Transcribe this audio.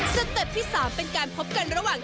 เต็ปที่๓เป็นการพบกันระหว่าง